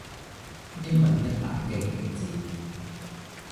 一問一答嘅極致